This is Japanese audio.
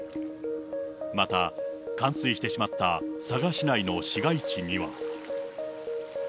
また、冠水してしまった佐賀市内の市街地には。